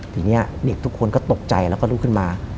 ทีนี้เด็กทุกคนก็ตกใจแล้วก็ลุกขึ้นมา